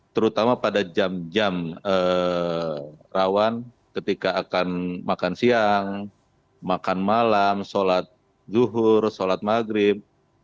terutama pada jam jam rawan ketika akan makan siang makan malam sholat zuhur sholat maghrib